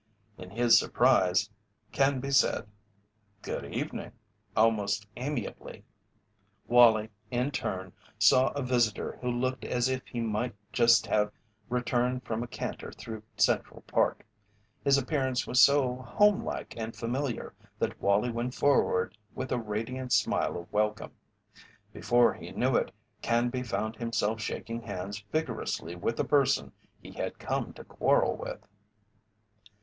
In his surprise, Canby said: "Good evening," almost amiably. Wallie, in turn, saw a visitor who looked as if he might just have returned from a canter through Central Park. His appearance was so homelike and familiar that Wallie went forward with a radiant smile of welcome. Before he knew it Canby found himself shaking hands vigorously with the person he had come to quarrel with.